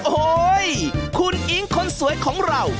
โอ้โฮ้ยคุณอิงค์คนสวยของเรา